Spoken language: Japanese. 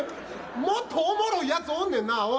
もっとおもろい奴おんねんな、おい！